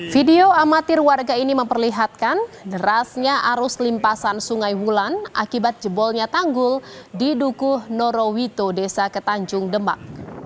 video amatir warga ini memperlihatkan derasnya arus limpasan sungai wulan akibat jebolnya tanggul di dukuh norowito desa ketanjung demak